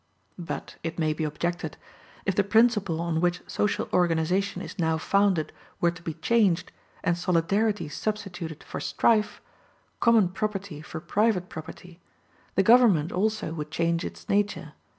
But, it may be objected, if the principle on which social organization is now founded were to be changed, and solidarity substituted for strife, common property for private property, the government also would change its nature.